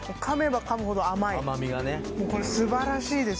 もうこれ素晴らしいです